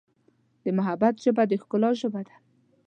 د محبت ژبه د ښکلا ژبه ده.